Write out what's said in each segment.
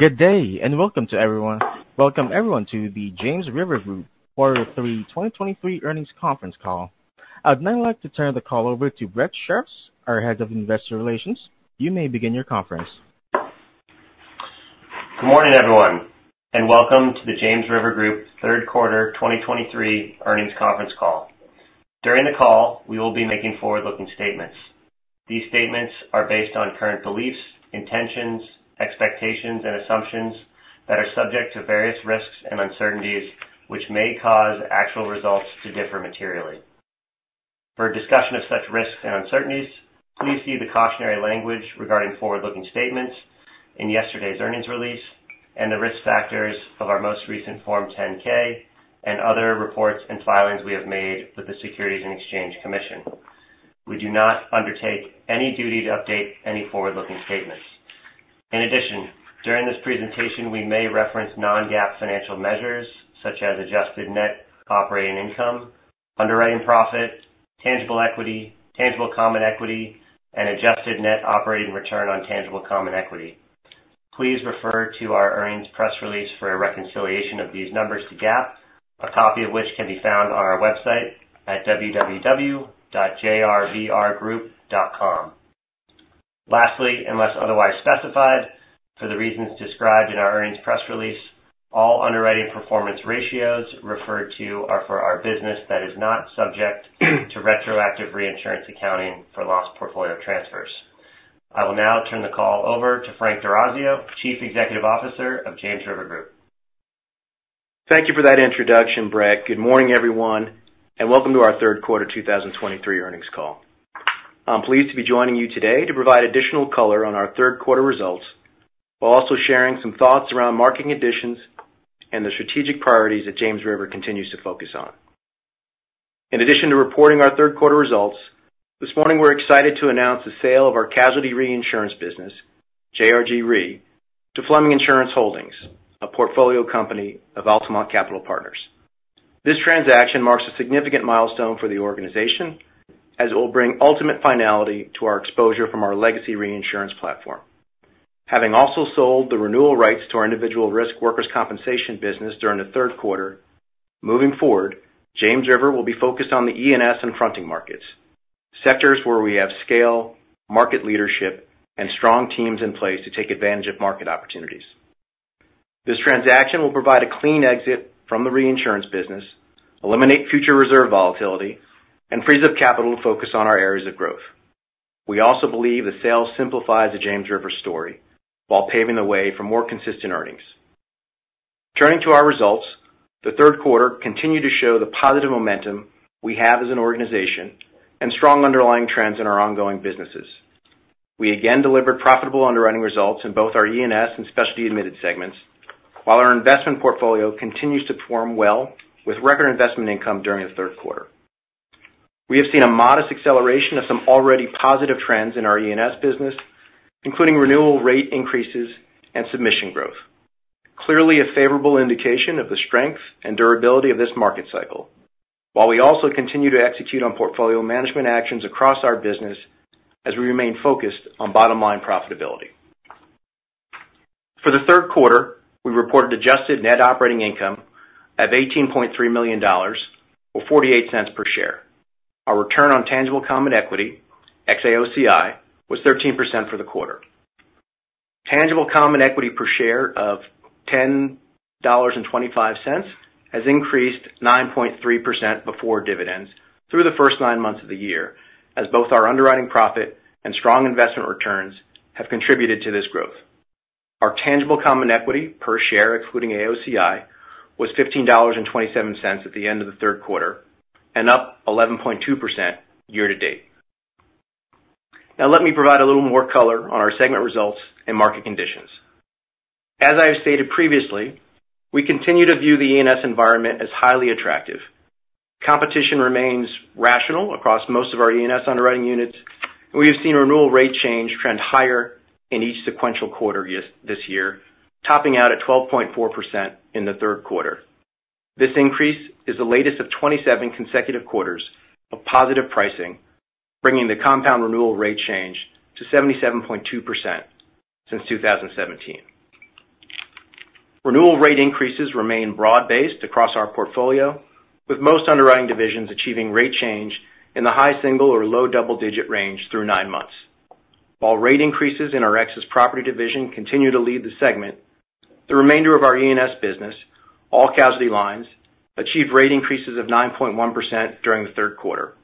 Good day. Welcome to everyone. Welcome everyone to the James River Group Quarter 3 2023 earnings conference call. I'd now like to turn the call over to Brett Shirreffs, our Head of Investor Relations. You may begin your conference. Good morning, everyone. Welcome to the James River Group third quarter 2023 earnings conference call. During the call, we will be making forward-looking statements. These statements are based on current beliefs, intentions, expectations, and assumptions that are subject to various risks and uncertainties, which may cause actual results to differ materially. For a discussion of such risks and uncertainties, please see the cautionary language regarding forward-looking statements in yesterday's earnings release and the risk factors of our most recent Form 10-K and other reports and filings we have made with the Securities and Exchange Commission. We do not undertake any duty to update any forward-looking statements. During this presentation, we may reference non-GAAP financial measures such as adjusted net operating income, underwriting profit, tangible equity, tangible common equity, and adjusted net operating return on tangible common equity. Please refer to our earnings press release for a reconciliation of these numbers to GAAP, a copy of which can be found on our website at jrvrgroup.com. Unless otherwise specified, for the reasons described in our earnings press release, all underwriting performance ratios referred to are for our business that is not subject to retroactive reinsurance accounting for lost portfolio transfers. I will now turn the call over to Frank D'Orazio, Chief Executive Officer of James River Group. Thank you for that introduction, Brett. Good morning, everyone. Welcome to our third quarter 2023 earnings call. I'm pleased to be joining you today to provide additional color on our third quarter results, while also sharing some thoughts around marketing additions and the strategic priorities that James River continues to focus on. To reporting our third quarter results, this morning we're excited to announce the sale of our casualty reinsurance business, JRG Re, to Fleming Insurance Holdings, a portfolio company of Altamont Capital Partners. This transaction marks a significant milestone for the organization, as it will bring ultimate finality to our exposure from our legacy reinsurance platform. Having also sold the renewal rights to our individual risk workers' compensation business during the third quarter, moving forward, James River will be focused on the E&S and fronting markets, sectors where we have scale, market leadership, and strong teams in place to take advantage of market opportunities. This transaction will provide a clean exit from the reinsurance business, eliminate future reserve volatility, and frees up capital to focus on our areas of growth. We also believe the sale simplifies the James River story while paving the way for more consistent earnings. Turning to our results, the third quarter continued to show the positive momentum we have as an organization and strong underlying trends in our ongoing businesses. We again delivered profitable underwriting results in both our E&S and specialty admitted segments, while our investment portfolio continues to perform well with record investment income during the third quarter. We have seen a modest acceleration of some already positive trends in our E&S business, including renewal rate increases and submission growth. Clearly a favorable indication of the strength and durability of this market cycle, while we also continue to execute on portfolio management actions across our business as we remain focused on bottom-line profitability. For the third quarter, we reported adjusted net operating income of $18.3 million, or $0.48 per share. Our return on tangible common equity, ex-AOCI, was 13% for the quarter. Tangible common equity per share of $10.25 has increased 9.3% before dividends through the first nine months of the year, as both our underwriting profit and strong investment returns have contributed to this growth. Our tangible common equity per share, including AOCI, was $15.27 at the end of the third quarter and up 11.2% year to date. Now let me provide a little more color on our segment results and market conditions. As I have stated previously, we continue to view the E&S environment as highly attractive. Competition remains rational across most of our E&S underwriting units, and we have seen renewal rate change trend higher in each sequential quarter this year, topping out at 12.4% in the third quarter. This increase is the latest of 27 consecutive quarters of positive pricing, bringing the compound renewal rate change to 77.2% since 2017. Renewal rate increases remain broad-based across our portfolio, with most underwriting divisions achieving rate change in the high single or low double-digit range through nine months. While rate increases in our excess property division continue to lead the segment, the remainder of our E&S business, all casualty lines, achieved rate increases of 9.1% during the third quarter,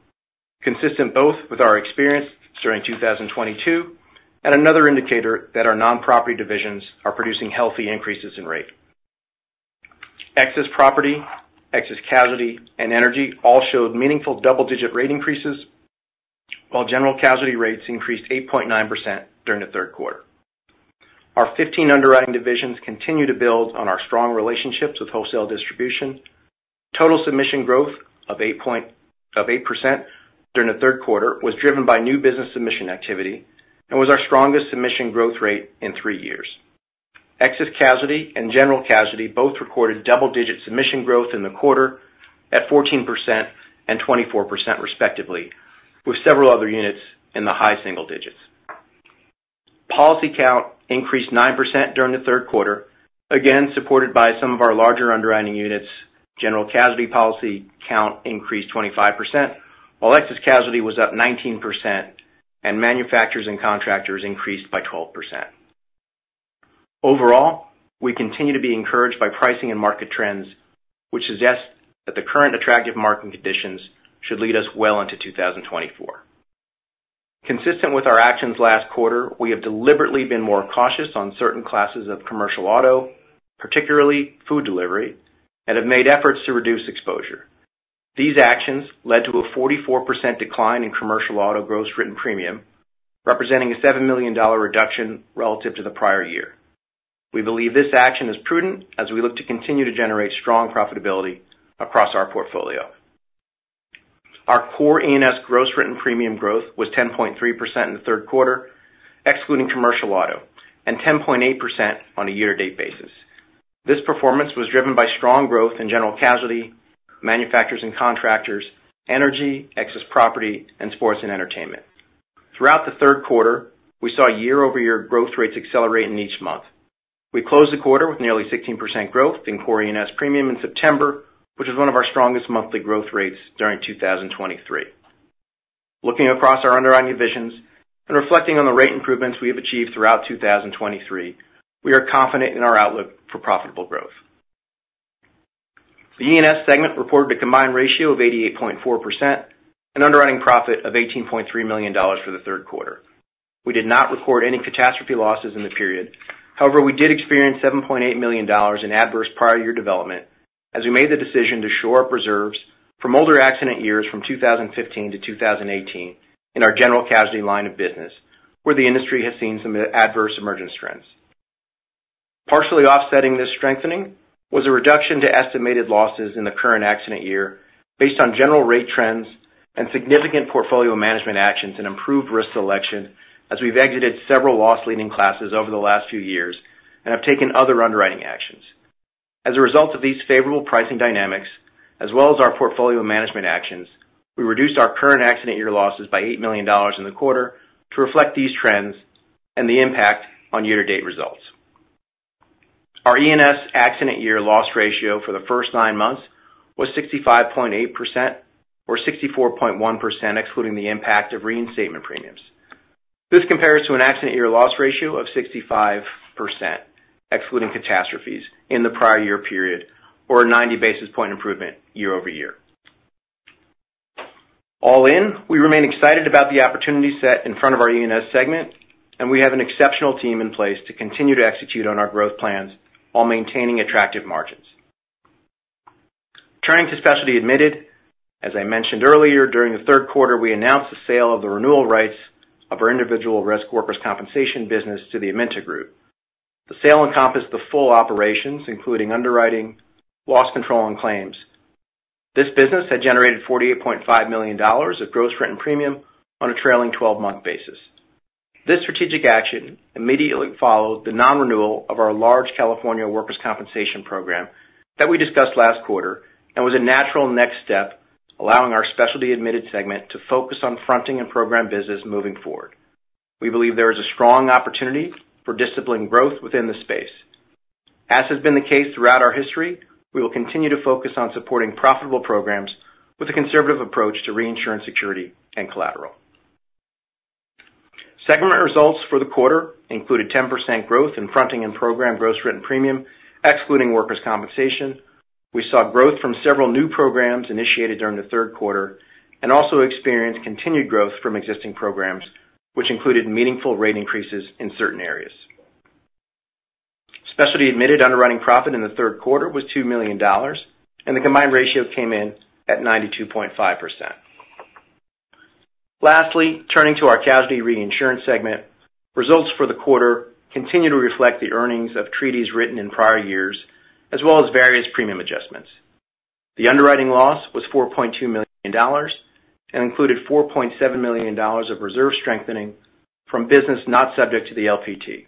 consistent both with our experience during 2022 and another indicator that our non-property divisions are producing healthy increases in rate. Excess property, excess casualty, and energy all showed meaningful double-digit rate increases, while general casualty rates increased 8.9% during the third quarter. Our 15 underwriting divisions continue to build on our strong relationships with wholesale distribution. Total submission growth of 8% during the third quarter was driven by new business submission activity and was our strongest submission growth rate in three years. Excess casualty and general casualty both recorded double-digit submission growth in the quarter at 14% and 24% respectively. With several other units in the high single digits. Policy count increased 9% during the third quarter, again supported by some of our larger underwriting units. General casualty policy count increased 25%, while excess casualty was up 19%, and manufacturers and contractors increased by 12%. Overall, we continue to be encouraged by pricing and market trends, which suggest that the current attractive market conditions should lead us well into 2024. Consistent with our actions last quarter, we have deliberately been more cautious on certain classes of commercial auto, particularly food delivery, and have made efforts to reduce exposure. These actions led to a 44% decline in commercial auto gross written premium, representing a $7 million reduction relative to the prior year. We believe this action is prudent as we look to continue to generate strong profitability across our portfolio. Our core E&S gross written premium growth was 10.3% in the third quarter, excluding commercial auto, and 10.8% on a year-to-date basis. This performance was driven by strong growth in general casualty, manufacturers and contractors, energy, excess property, and sports and entertainment. Throughout the third quarter, we saw year-over-year growth rates accelerate in each month. We closed the quarter with nearly 16% growth in core E&S premium in September, which is one of our strongest monthly growth rates during 2023. Looking across our underwriting divisions and reflecting on the rate improvements we have achieved throughout 2023, we are confident in our outlook for profitable growth. The E&S segment reported a combined ratio of 88.4% and underwriting profit of $18.3 million for the third quarter. We did not record any catastrophe losses in the period. However, we did experience $7.8 million in adverse prior year development as we made the decision to shore up reserves from older accident years from 2015 to 2018 in our general casualty line of business, where the industry has seen some adverse emergence trends. Partially offsetting this strengthening was a reduction to estimated losses in the current accident year based on general rate trends and significant portfolio management actions and improved risk selection as we've exited several loss-leading classes over the last few years and have taken other underwriting actions. As a result of these favorable pricing dynamics, as well as our portfolio management actions, we reduced our current accident year losses by $8 million in the quarter to reflect these trends and the impact on year-to-date results. Our E&S accident year loss ratio for the first nine months was 65.8%, or 64.1% excluding the impact of reinstatement premiums. This compares to an accident year loss ratio of 65%, excluding catastrophes, in the prior year period, or a 90 basis point improvement year-over-year. All in, we remain excited about the opportunity set in front of our E&S segment, and we have an exceptional team in place to continue to execute on our growth plans while maintaining attractive margins. Turning to specialty admitted, as I mentioned earlier, during the third quarter, we announced the sale of the renewal rights of our individual risk workers' compensation business to the AmTrust Group. The sale encompassed the full operations, including underwriting, loss control, and claims. This business had generated $48.5 million of gross written premium on a trailing 12-month basis. This strategic action immediately followed the non-renewal of our large California workers' compensation program that we discussed last quarter and was a natural next step, allowing our specialty admitted segment to focus on fronting and program business moving forward. We believe there is a strong opportunity for disciplined growth within the space. As has been the case throughout our history, we will continue to focus on supporting profitable programs with a conservative approach to reinsurance security and collateral. Segment results for the quarter included 10% growth in fronting and program gross written premium, excluding workers' compensation. We saw growth from several new programs initiated during the third quarter and also experienced continued growth from existing programs, which included meaningful rate increases in certain areas. Specialty admitted underwriting profit in the third quarter was $2 million, and the combined ratio came in at 92.5%. Turning to our casualty reinsurance segment, results for the quarter continue to reflect the earnings of treaties written in prior years, as well as various premium adjustments. The underwriting loss was $4.2 million and included $4.7 million of reserve strengthening from business not subject to the LPT.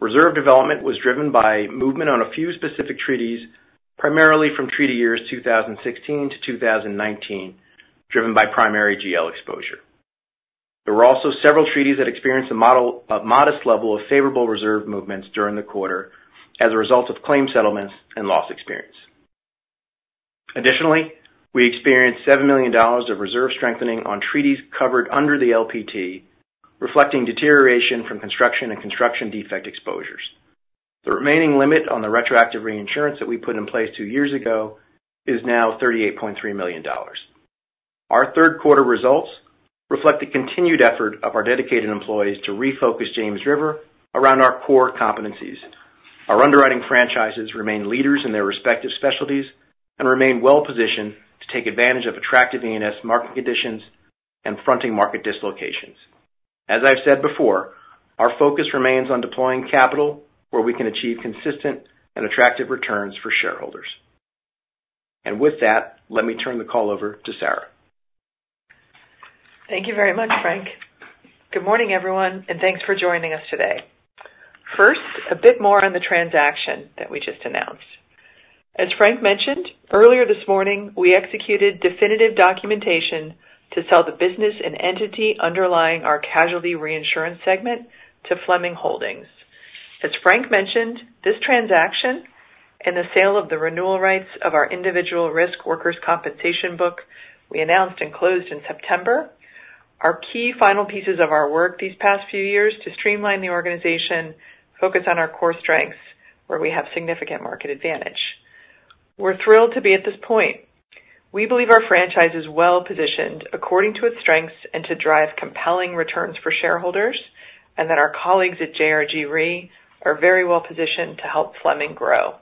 Reserve development was driven by movement on a few specific treaties, primarily from treaty years 2016 to 2019, driven by primary GL exposure. There were also several treaties that experienced a modest level of favorable reserve movements during the quarter as a result of claim settlements and loss experience. Additionally, we experienced $7 million of reserve strengthening on treaties covered under the LPT, reflecting deterioration from construction and construction defect exposures. The remaining limit on the retroactive reinsurance that we put in place two years ago is now $38.3 million. Our third quarter results reflect the continued effort of our dedicated employees to refocus James River around our core competencies. Our underwriting franchises remain leaders in their respective specialties and remain well positioned to take advantage of attractive E&S market conditions and fronting market dislocations. As I've said before, our focus remains on deploying capital where we can achieve consistent and attractive returns for shareholders. With that, let me turn the call over to Sarah. Thank you very much, Frank. Good morning, everyone, and thanks for joining us today. A bit more on the transaction that we just announced. As Frank mentioned, earlier this morning, we executed definitive documentation to sell the business and entity underlying our casualty reinsurance segment to Fleming Holdings. As Frank mentioned, this transaction and the sale of the renewal rights of our individual risk workers' compensation book we announced and closed in September, are key final pieces of our work these past few years to streamline the organization, focus on our core strengths where we have significant market advantage. We're thrilled to be at this point. We believe our franchise is well-positioned according to its strengths and to drive compelling returns for shareholders, and that our colleagues at JRG Re are very well-positioned to help Fleming grow.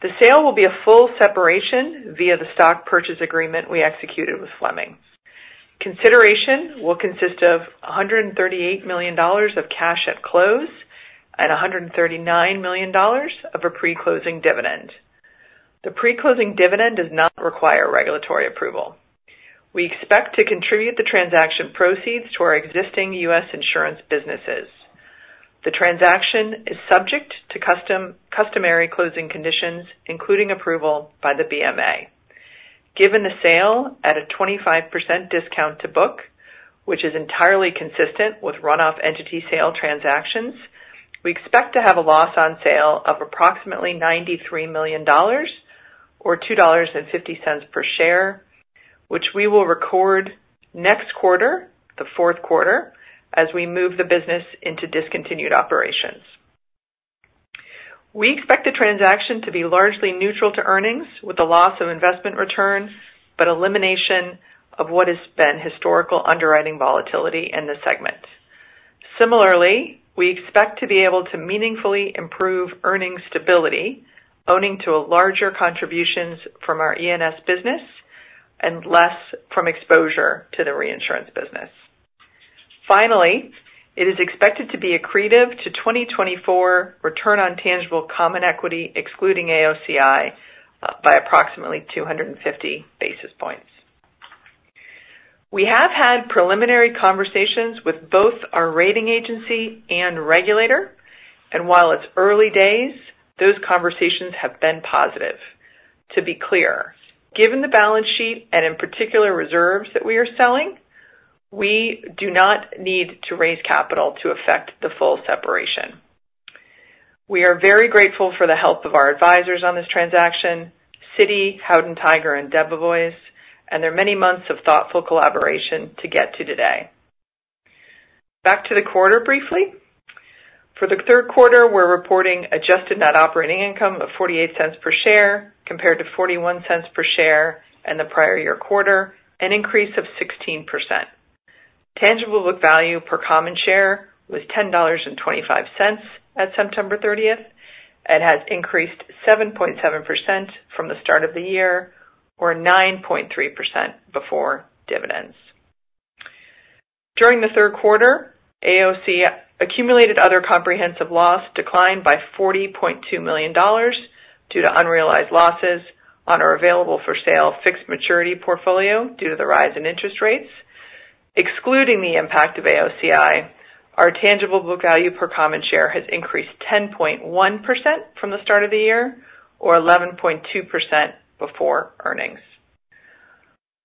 The sale will be a full separation via the stock purchase agreement we executed with Fleming. Consideration will consist of $138 million of cash at close and $139 million of a pre-closing dividend. The pre-closing dividend does not require regulatory approval. We expect to contribute the transaction proceeds to our existing U.S. insurance businesses. The transaction is subject to customary closing conditions, including approval by the BMA. Given the sale at a 25% discount to book, which is entirely consistent with runoff entity sale transactions, we expect to have a loss on sale of approximately $93 million or $2.50 per share, which we will record next quarter, the fourth quarter, as we move the business into discontinued operations. We expect the transaction to be largely neutral to earnings, with the loss of investment returns, but elimination of what has been historical underwriting volatility in the segment. Similarly, we expect to be able to meaningfully improve earnings stability owing to larger contributions from our E&S business and less from exposure to the reinsurance business. Finally, it is expected to be accretive to 2024 return on tangible common equity excluding AOCI by approximately 250 basis points. We have had preliminary conversations with both our rating agency and regulator, while it's early days, those conversations have been positive. To be clear, given the balance sheet and in particular reserves that we are selling, we do not need to raise capital to effect the full separation. We are very grateful for the help of our advisors on this transaction, Citi, Howden Tiger, and Debevoise, their many months of thoughtful collaboration to get to today. Back to the quarter briefly. For the third quarter, we're reporting adjusted net operating income of $0.48 per share compared to $0.41 per share in the prior year quarter, an increase of 16%. Tangible book value per common share was $10.25 at September 30th and has increased 7.7% from the start of the year or 9.3% before dividends. During the third quarter, AOCI, accumulated other comprehensive loss declined by $40.2 million due to unrealized losses on our available-for-sale fixed maturity portfolio due to the rise in interest rates. Excluding the impact of AOCI, our tangible book value per common share has increased 10.1% from the start of the year or 11.2% before earnings.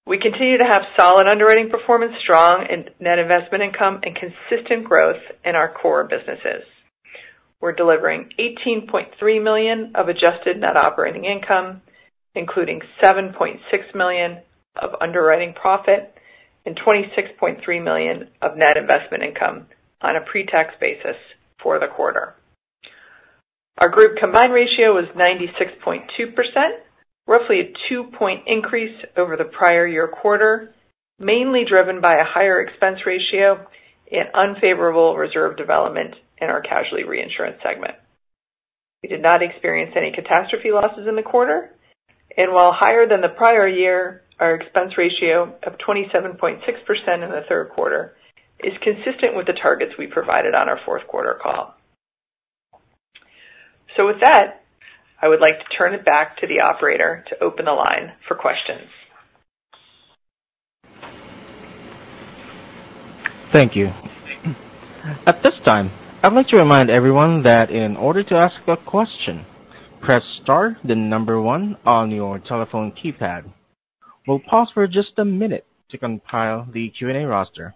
We continue to have solid underwriting performance, strong net investment income, and consistent growth in our core businesses. We're delivering $18.3 million of adjusted net operating income, including $7.6 million of underwriting profit and $26.3 million of net investment income on a pre-tax basis for the quarter. Our group combined ratio was 96.2%, roughly a two-point increase over the prior year quarter, mainly driven by a higher expense ratio and unfavorable reserve development in our casualty reinsurance segment. We did not experience any catastrophe losses in the quarter, while higher than the prior year, our expense ratio of 27.6% in the third quarter is consistent with the targets we provided on our fourth quarter call. With that, I would like to turn it back to the operator to open the line for questions. Thank you. At this time, I'd like to remind everyone that in order to ask a question, press star then number one on your telephone keypad. We'll pause for just a minute to compile the Q&A roster.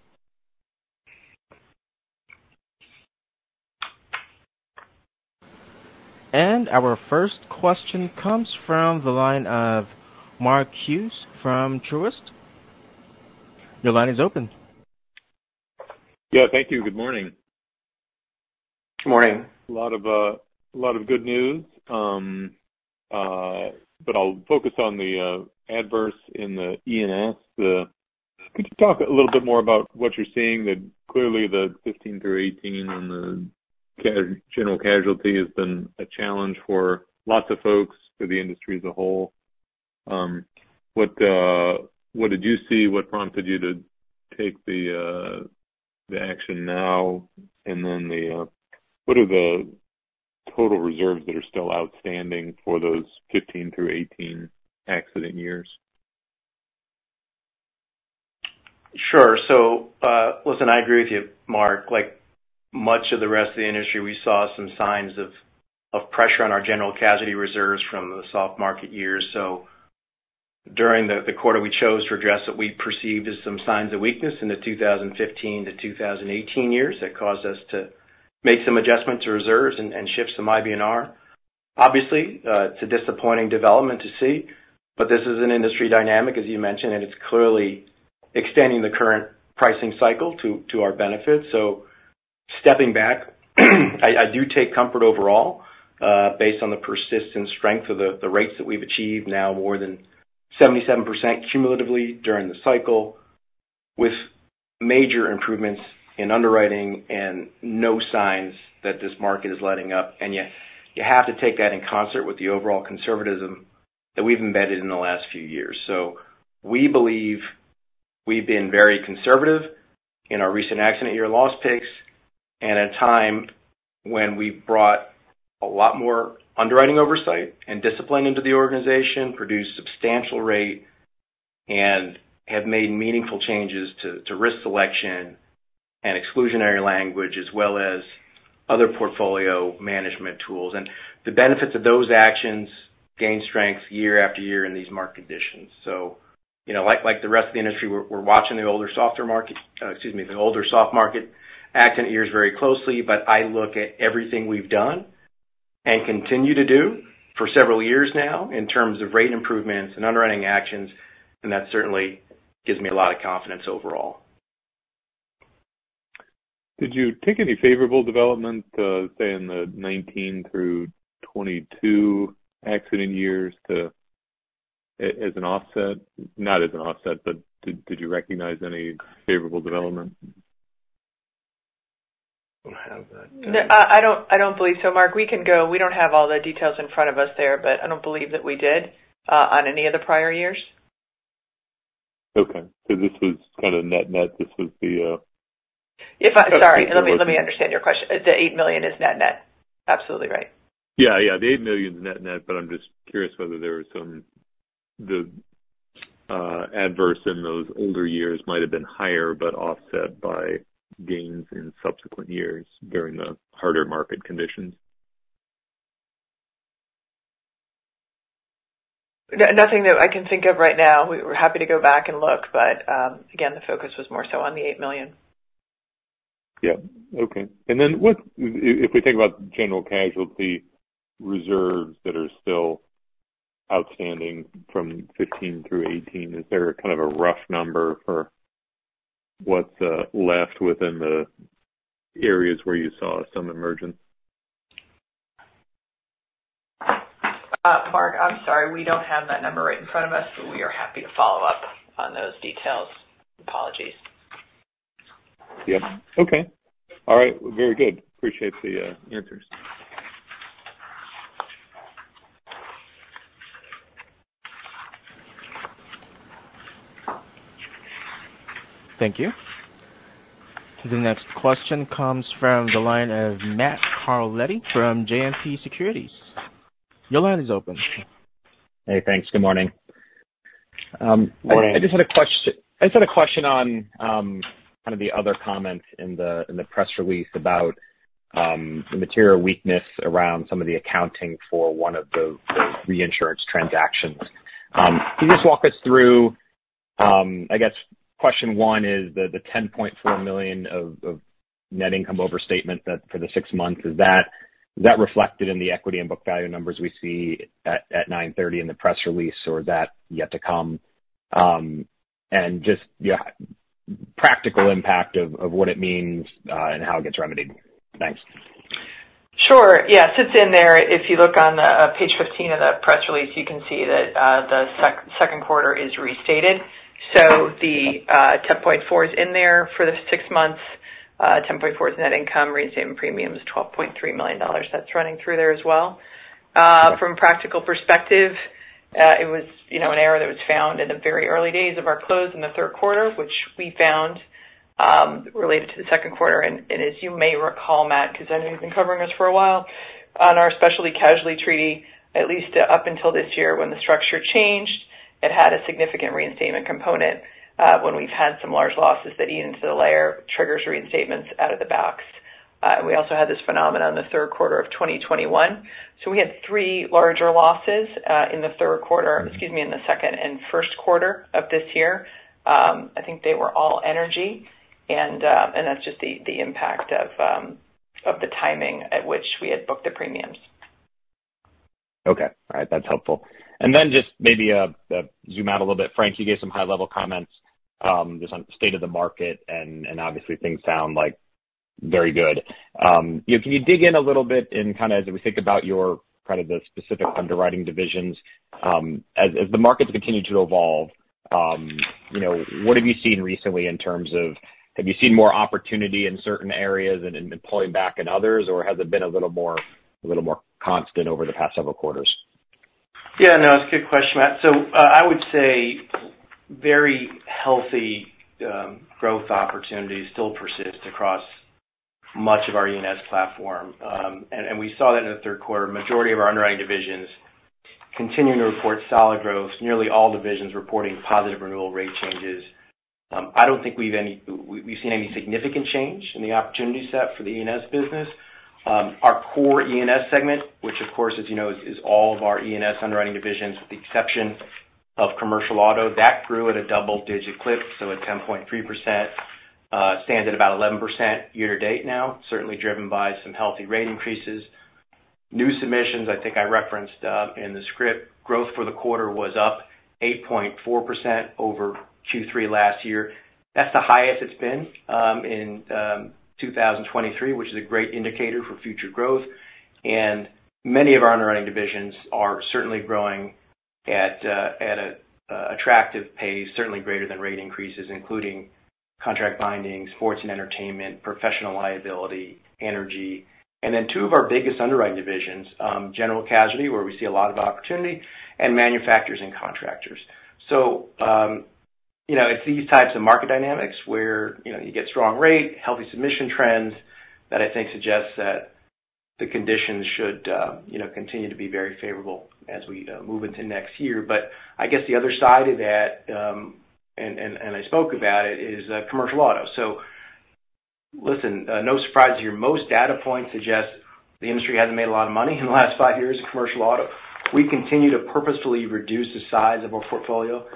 Our first question comes from the line of Mark Hughes from Truist. Your line is open. Yeah, thank you. Good morning. Good morning. A lot of good news. I'll focus on the adverse in the E&S. Could you talk a little bit more about what you're seeing that clearly the '15-'18 on the general casualty has been a challenge for lots of folks, for the industry as a whole. What did you see? What prompted you to take the action now? What are the total reserves that are still outstanding for those '15-'18 accident years? Sure. Listen, I agree with you, Mark. Like much of the rest of the industry, we saw some signs of pressure on our general casualty reserves from the soft market years. During the quarter, we chose to address what we perceived as some signs of weakness in the 2015 to 2018 years that caused us to make some adjustments to reserves and shift some IBNR. Obviously, it's a disappointing development to see, but this is an industry dynamic, as you mentioned, and it's clearly extending the current pricing cycle to our benefit. Stepping back, I do take comfort overall, based on the persistent strength of the rates that we've achieved now more than 77% cumulatively during the cycle, with major improvements in underwriting and no signs that this market is letting up. Yet you have to take that in concert with the overall conservatism that we've embedded in the last few years. We believe we've been very conservative in our recent accident year loss picks, and at a time when we've brought a lot more underwriting oversight and discipline into the organization, produced substantial rate, and have made meaningful changes to risk selection and exclusionary language, as well as other portfolio management tools. The benefits of those actions gain strength year after year in these market conditions. Like the rest of the industry, we're watching the older soft market accident years very closely. I look at everything we've done and continue to do for several years now in terms of rate improvements and underwriting actions, and that certainly gives me a lot of confidence overall. Did you take any favorable development, say, in the 2019 through 2022 accident years as an offset? Not as an offset, did you recognize any favorable development? Don't have that. I don't believe so, Mark. We can go. We don't have all the details in front of us there, but I don't believe that we did on any of the prior years. Okay, this was kind of net-net. Yes. I'm sorry. Let me understand your question. The $8 million is net-net. Absolutely right. Yeah. The $8 million's net-net, I'm just curious whether there were the adverse in those older years might've been higher, but offset by gains in subsequent years during the harder market conditions. Nothing that I can think of right now. We're happy to go back and look, but again, the focus was more so on the $8 million. Yeah. Okay. Then if we think about general casualty reserves that are still outstanding from 2015 through 2018, is there a rough number for what's left within the areas where you saw some emergence? Mark, I'm sorry. We don't have that number right in front of us, but we are happy to follow up on those details. Apologies. Yep. Okay. All right. Very good. Appreciate the answers. Thank you. The next question comes from the line of Matthew Carletti from JMP Securities. Your line is open. Hey, thanks. Good morning. Morning. I just had a question on the other comments in the press release about the material weakness around some of the accounting for one of the reinsurance transactions. Can you just walk us through, I guess, question one is the $10.4 million of net income overstatement for the six months. Is that reflected in the equity and book value numbers we see at 9/30 in the press release, or is that yet to come? Just practical impact of what it means, and how it gets remedied. Thanks. Sure. Yeah. It sits in there. If you look on page 15 of the press release, you can see that the second quarter is restated. The $10.4 million is in there for the six months, $10.4 million is net income. Reinstatement premium is $12.3 million. That's running through there as well. From practical perspective, it was an error that was found in the very early days of our close in the third quarter, which we found related to the second quarter. As you may recall, Matt, because I know you've been covering us for a while, on our specialty casualty treaty, at least up until this year when the structure changed, it had a significant reinstatement component when we've had some large losses that eat into the layer, triggers reinstatements out of the box. And we also had this phenomenon in the third quarter of 2021. We had three larger losses in the third quarter, excuse me, in the second and first quarter of this year. I think they were all energy, and that's just the impact of the timing at which we had booked the premiums. Okay. All right. That's helpful. Just maybe zoom out a little bit. Frank, you gave some high-level comments just on state of the market, and obviously things sound very good. Can you dig in a little bit and as we think about the specific underwriting divisions, as the markets continue to evolve, what have you seen recently in terms of, have you seen more opportunity in certain areas and pulling back in others, or has it been a little more constant over the past several quarters? Yeah, no, it's a good question, Matt. I would say very healthy growth opportunities still persist across much of our E&S platform. We saw that in the third quarter. Majority of our underwriting divisions continuing to report solid growth, nearly all divisions reporting positive renewal rate changes. I don't think we've seen any significant change in the opportunity set for the E&S business. Our core E&S segment, which of course, as you know, is all of our E&S underwriting divisions, with the exception of commercial auto, that grew at a double-digit clip, so at 10.3%, stands at about 11% year to date now, certainly driven by some healthy rate increases. New submissions, I think I referenced in the script, growth for the quarter was up 8.4% over Q3 last year. That's the highest it's been in 2023, which is a great indicator for future growth, many of our underwriting divisions are certainly growing at an attractive pace, certainly greater than rate increases, including Contract Binding, Sports and Entertainment, Professional Liability, Energy. Two of our biggest underwriting divisions, General Casualty, where we see a lot of opportunity, and Manufacturers and Contractors. It's these types of market dynamics where you get strong rate, healthy submission trends that I think suggests that the conditions should continue to be very favorable as we move into next year. I guess the other side of that, and I spoke about it, is commercial auto. Listen, no surprise here. Most data points suggest the industry hasn't made a lot of money in the last five years in commercial auto. We continue to purposefully reduce the size of our portfolio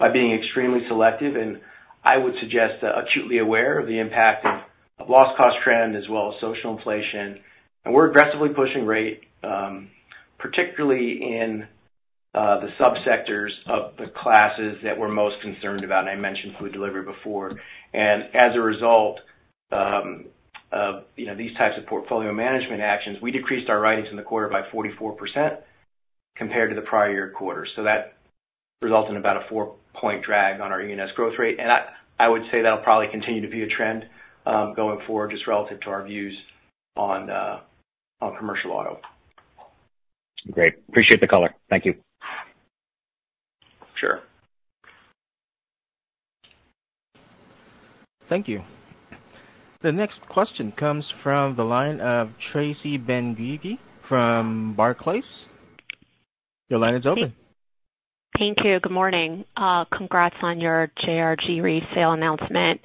by being extremely selective, and I would suggest acutely aware of the impact of loss cost trend as well as social inflation. We're aggressively pushing rate, particularly in the sub-sectors of the classes that we're most concerned about, I mentioned food delivery before. As a result of these types of portfolio management actions, we decreased our writings in the quarter by 44% compared to the prior year quarter. That results in about a four-point drag on our E&S growth rate. I would say that'll probably continue to be a trend, going forward, just relative to our views on commercial auto. Great. Appreciate the color. Thank you. Sure. Thank you. The next question comes from the line of Tracy Benguigui from Barclays. Your line is open. Thank you. Good morning. Congrats on your JRG Re sale announcement.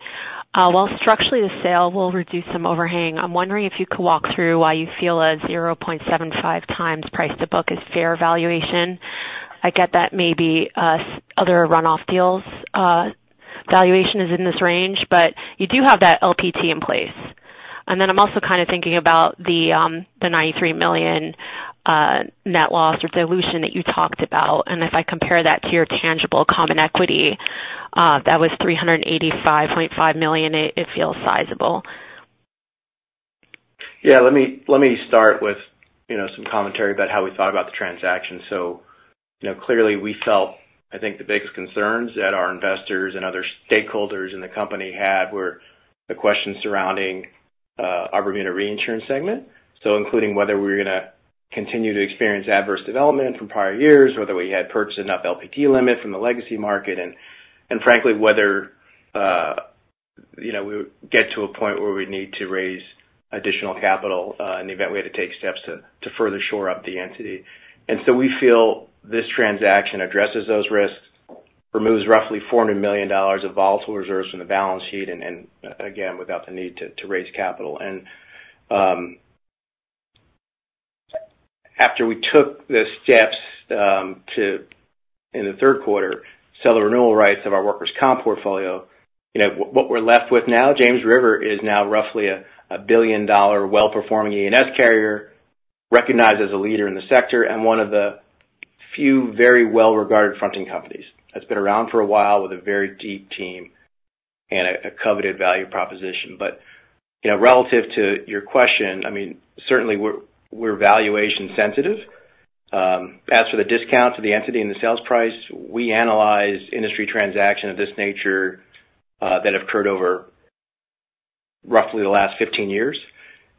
While structurally the sale will reduce some overhang, I'm wondering if you could walk through why you feel a 0.75 times price to book is fair valuation. I get that maybe other runoff deals valuation is in this range, but you do have that LPT in place. I'm also kind of thinking about the $93 million net loss or dilution that you talked about. If I compare that to your tangible common equity, that was $385.5 million, it feels sizable. Yeah, let me start with some commentary about how we thought about the transaction. Clearly we felt, I think, the biggest concerns that our investors and other stakeholders in the company had were the questions surrounding our Bermuda reinsurance segment. Including whether we were going to continue to experience adverse development from prior years, whether we had purchased enough LPT limit from the legacy market, and frankly, whether we would get to a point where we'd need to raise additional capital in the event we had to take steps to further shore up the entity. We feel this transaction addresses those risks, removes roughly $400 million of volatile reserves from the balance sheet, and again, without the need to raise capital. After we took the steps to, in the third quarter, sell the renewal rights of our workers' comp portfolio, what we're left with now, James River is now roughly a billion-dollar well-performing E&S carrier recognized as a leader in the sector and one of the few very well-regarded fronting companies that's been around for a while with a very deep team and a coveted value proposition. Relative to your question, certainly we're valuation sensitive. As for the discount to the entity and the sales price, we analyzed industry transaction of this nature that occurred over roughly the last 15 years.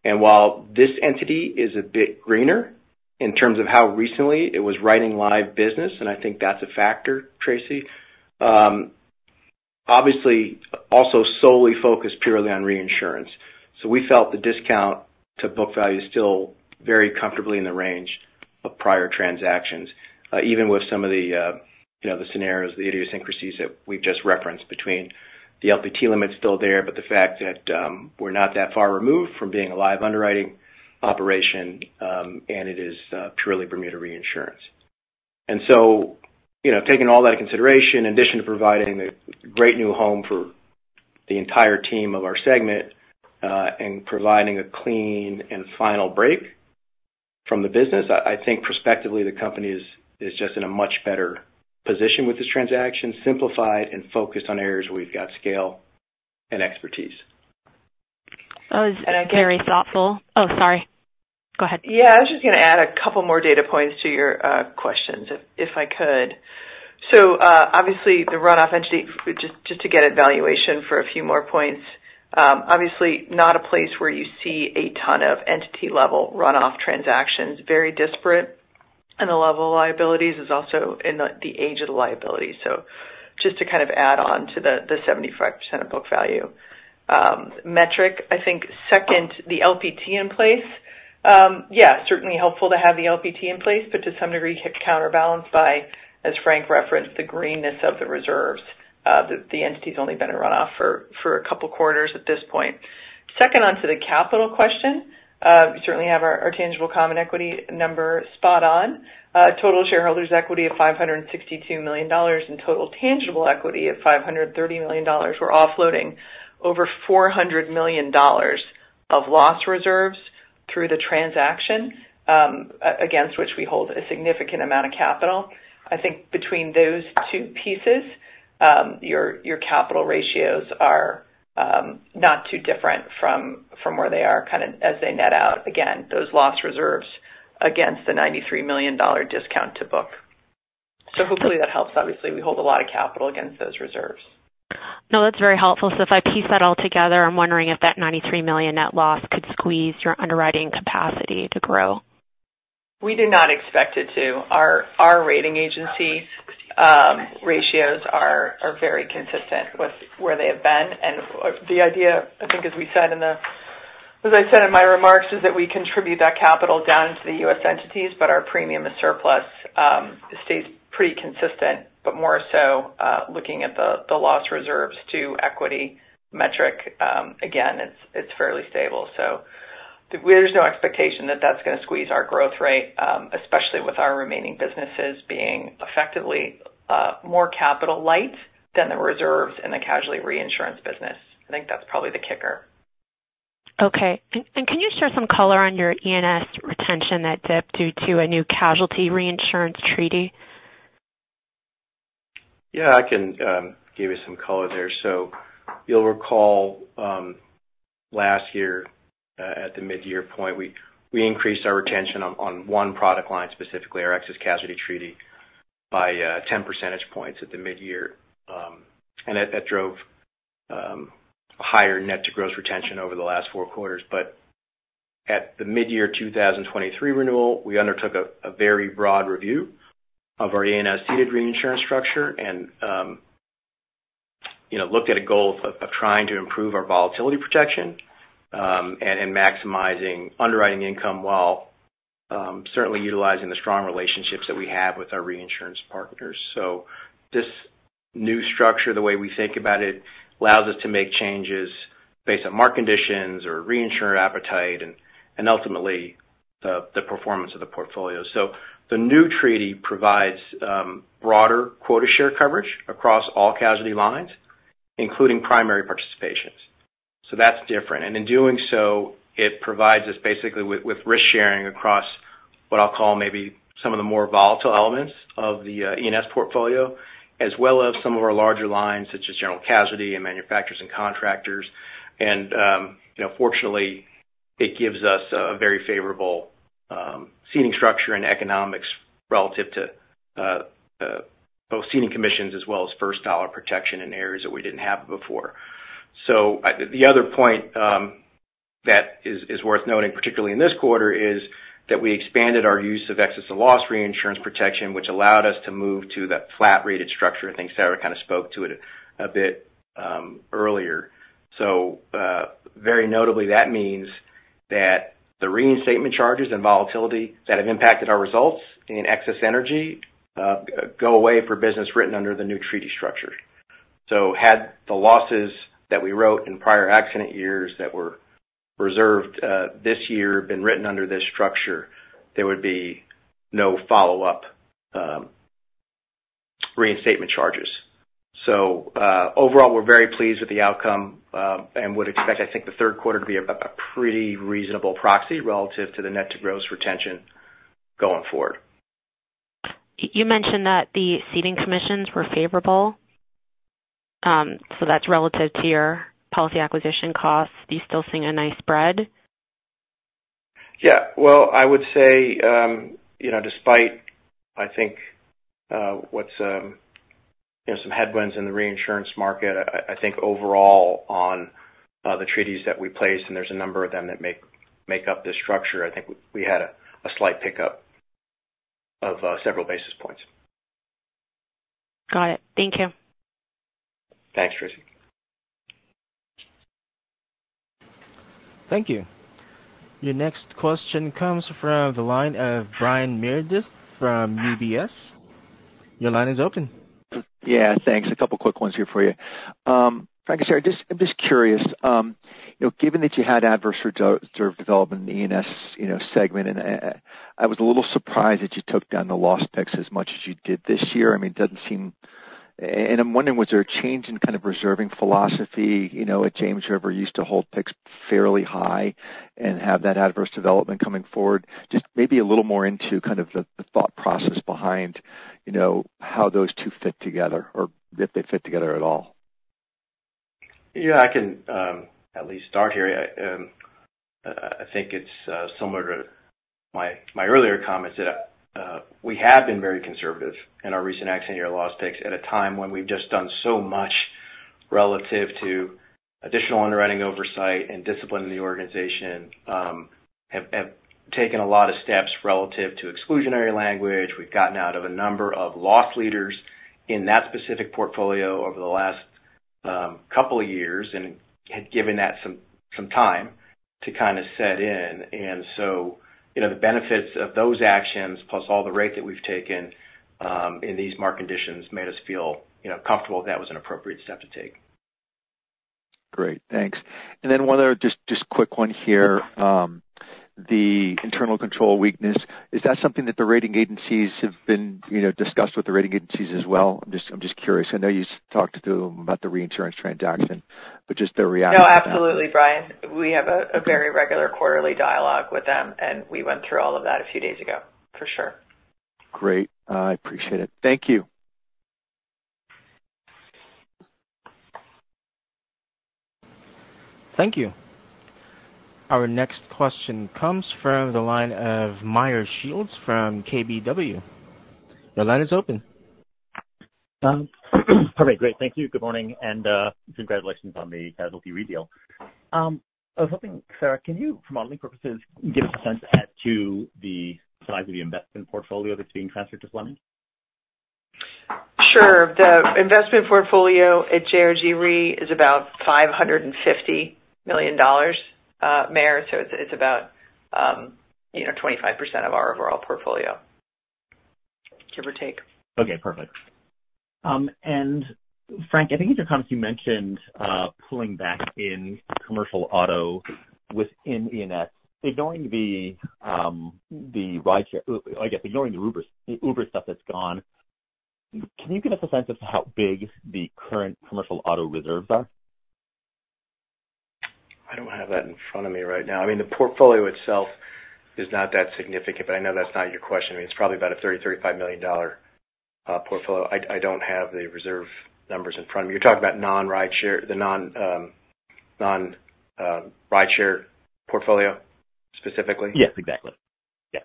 While this entity is a bit greener in terms of how recently it was writing live business, and I think that's a factor, Tracy. Obviously, also solely focused purely on reinsurance. We felt the discount to book value is still very comfortably in the range of prior transactions, even with some of the scenarios, the idiosyncrasies that we've just referenced between the LPT limits still there, but the fact that we're not that far removed from being a live underwriting operation, and it is purely Bermuda reinsurance. Taking all that into consideration, in addition to providing a great new home for the entire team of our segment, and providing a clean and final break from the business, I think prospectively the company is just in a much better position with this transaction, simplified and focused on areas where we've got scale and expertise. That was very thoughtful. Oh, sorry. Go ahead. Yeah, I was just going to add 2 more data points to your questions if I could. Obviously the runoff entity, just to get evaluation for a few more points. Obviously not a place where you see a ton of entity-level runoff transactions, very disparate in the level of liabilities is also in the age of the liability. Just to kind of add on to the 75% of book value metric. I think second, the LPT in place. Yeah, certainly helpful to have the LPT in place, but to some degree, counterbalanced by, as Frank referenced, the greenness of the reserves. The entity's only been in runoff for 2 quarters at this point. Second, onto the capital question. You certainly have our tangible common equity number spot on. Total shareholders' equity of $562 million and total tangible equity of $530 million. We're offloading over $400 million of loss reserves through the transaction, against which we hold a significant amount of capital. I think between those 2 pieces, your capital ratios are not too different from where they are as they net out, again, those loss reserves against the $93 million discount to book. Hopefully that helps. Obviously, we hold a lot of capital against those reserves. No, that's very helpful. If I piece that all together, I'm wondering if that $93 million net loss could squeeze your underwriting capacity to grow. We do not expect it to. Our rating agency ratios are very consistent with where they have been. The idea, I think as I said in my remarks, is that we contribute that capital down into the U.S. entities, our premium is surplus. It stays pretty consistent, more so, looking at the loss reserves to equity metric, again, it's fairly stable. There's no expectation that that's going to squeeze our growth rate, especially with our remaining businesses being effectively more capital light than the reserves in the casualty reinsurance business. I think that's probably the kicker. Okay. Can you share some color on your E&S retention that dipped due to a new casualty reinsurance treaty? Yeah, I can give you some color there. You'll recall, last year, at the mid-year point, we increased our retention on one product line, specifically our excess casualty treaty, by 10 percentage points at the mid-year. That drove higher net to gross retention over the last four quarters. At the mid-year 2023 renewal, we undertook a very broad review of our E&S ceded reinsurance structure and looked at a goal of trying to improve our volatility protection, and maximizing underwriting income while certainly utilizing the strong relationships that we have with our reinsurance partners. This new structure, the way we think about it, allows us to make changes based on market conditions or reinsurer appetite and ultimately the performance of the portfolio. The new treaty provides broader quota share coverage across all casualty lines, including primary participations. That's different. In doing so, it provides us basically with risk sharing across what I'll call maybe some of the more volatile elements of the E&S portfolio, as well as some of our larger lines, such as general casualty and manufacturers and contractors. Fortunately, it gives us a very favorable ceding structure and economics relative to both ceding commissions as well as first dollar protection in areas that we didn't have before. The other point that is worth noting, particularly in this quarter, is that we expanded our use of excess and loss reinsurance protection, which allowed us to move to that flat rated structure. I think Sarah kind of spoke to it a bit earlier. Very notably, that means that the reinstatement charges and volatility that have impacted our results in excess energy go away for business written under the new treaty structure. Had the losses that we wrote in prior accident years that were reserved this year been written under this structure, there would be no follow-up reinstatement charges. Overall, we're very pleased with the outcome, and would expect, I think, the third quarter to be a pretty reasonable proxy relative to the net to gross retention going forward. You mentioned that the ceding commissions were favorable. That's relative to your policy acquisition costs. Are you still seeing a nice spread? Yeah. Well, I would say, despite some headwinds in the reinsurance market, I think overall on the treaties that we placed, and there's a number of them that make up this structure, I think we had a slight pickup of several basis points. Got it. Thank you. Thanks, Tracy. Thank you. Your next question comes from the line of Brian Meredith from UBS. Your line is open. Yeah, thanks. A couple quick ones here for you. Frank and Sarah, I'm just curious. Given that you had adverse reserve development in the E&S segment, I was a little surprised that you took down the loss picks as much as you did this year. I'm wondering, was there a change in kind of reserving philosophy? At James River, you used to hold picks fairly high and have that adverse development coming forward. Just maybe a little more into kind of the thought process behind how those two fit together or if they fit together at all. Yeah, I can at least start here. I think it's similar to my earlier comments that we have been very conservative in our recent accident year loss picks at a time when we've just done so much relative to additional underwriting oversight and discipline in the organization, have taken a lot of steps relative to exclusionary language. We've gotten out of a number of loss leaders in that specific portfolio over the last couple of years and had given that some time to kind of set in. The benefits of those actions, plus all the rate that we've taken in these market conditions, made us feel comfortable that was an appropriate step to take. Great, thanks. Then one other just quick one here. The internal control weakness, is that something that the rating agencies have been discussed with the rating agencies as well? I'm just curious. I know you talked to them about the reinsurance transaction, but just their reaction to that. No, absolutely, Brian. We have a very regular quarterly dialogue with them, and we went through all of that a few days ago, for sure. Great. I appreciate it. Thank you. Thank you. Our next question comes from the line of Meyer Shields from KBW. Your line is open. Perfect. Great. Thank you. Good morning, and congratulations on the casualty re deal. I was hoping, Sarah, can you, for modeling purposes, give us a sense as to the size of the investment portfolio that's being transferred to Fleming? Sure. The investment portfolio at JRG Re is about $550 million, Meyer. It's about 25% of our overall portfolio, give or take. Okay, perfect. Frank, I think at some point you mentioned pulling back in commercial auto within E&S. Ignoring the Uber stuff that's gone, can you give us a sense of how big the current commercial auto reserves are? I don't have that in front of me right now. The portfolio itself is not that significant, but I know that's not your question. It's probably about a $30, $35 million portfolio. I don't have the reserve numbers in front of me. You're talking about the non-rideshare portfolio specifically? Yes, exactly. Yeah.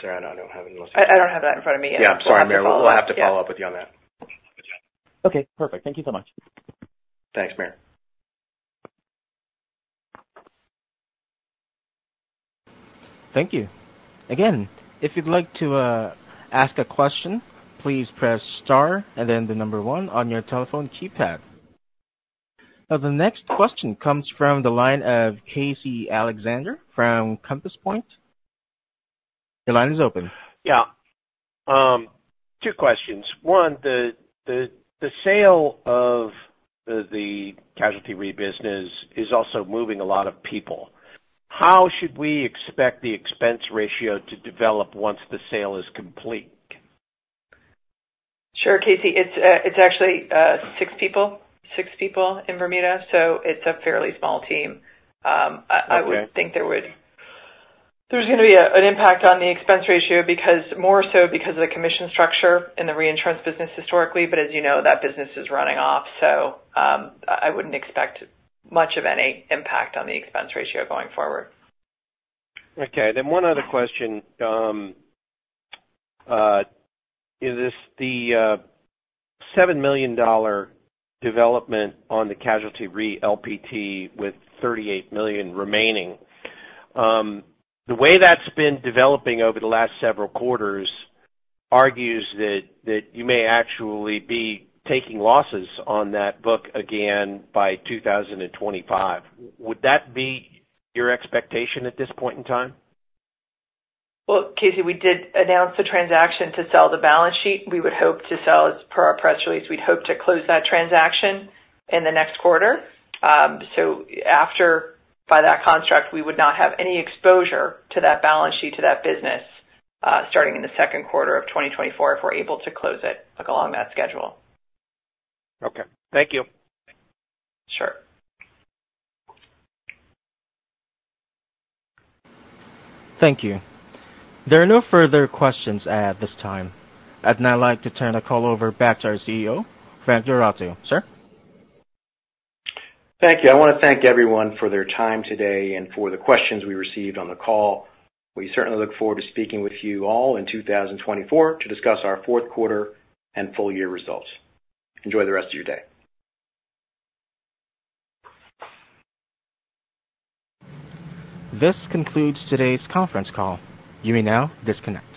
Sarah, I don't have. I don't have that in front of me. Yeah. I'm sorry, Meyer. We'll have to follow up with you on that. Okay, perfect. Thank you so much. Thanks, Meyer. Thank you. Again, if you'd like to ask a question, please press star and then the number one on your telephone keypad. The next question comes from the line of Casey Alexander from Compass Point. Your line is open. Yeah. Two questions. One, the sale of the casualty re business is also moving a lot of people. How should we expect the expense ratio to develop once the sale is complete? Sure, Casey. It's actually six people in Bermuda, so it's a fairly small team. Okay. I would think there's going to be an impact on the expense ratio more so because of the commission structure in the reinsurance business historically. As you know, that business is running off, I wouldn't expect much of any impact on the expense ratio going forward. Okay, one other question. The $7 million development on the casualty re LPT with $38 million remaining, the way that's been developing over the last several quarters argues that you may actually be taking losses on that book again by 2025. Would that be your expectation at this point in time? Well, Casey, we did announce the transaction to sell the balance sheet. We would hope to sell, as per our press release, we'd hope to close that transaction in the next quarter. After, by that construct, we would not have any exposure to that balance sheet, to that business, starting in the second quarter of 2024 if we're able to close it along that schedule. Okay. Thank you. Sure. Thank you. There are no further questions at this time. I'd now like to turn the call over back to our CEO, Frank D'Orazio. Sir? Thank you. I want to thank everyone for their time today and for the questions we received on the call. We certainly look forward to speaking with you all in 2024 to discuss our fourth quarter and full year results. Enjoy the rest of your day. This concludes today's conference call. You may now disconnect.